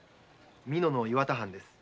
美濃の岩田藩です。